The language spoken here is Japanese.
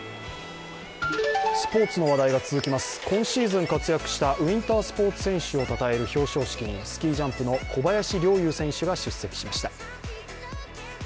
スポーツの話題が続きます、今シーズン活躍したウインタースポーツ選手をたたえる表彰式にスキージャンプの小林陵侑選手が出席しました。